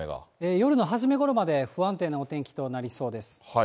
夜の初めごろまで不安定なお天気となりそうです。